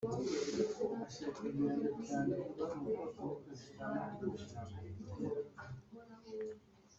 Gorilla Film Production